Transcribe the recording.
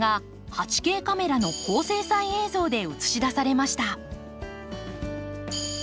８Ｋカメラの高精細映像で映し出されました。